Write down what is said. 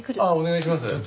ああお願いします。